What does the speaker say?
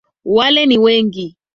Wale ni wengi